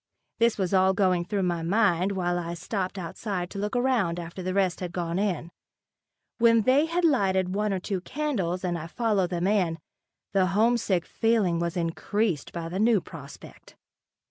This was all going through my mind while I stopped outside to look around after the rest had gone in. When they had lighted one or two candles and I followed them in, the homesick feeling was increased by the new prospect.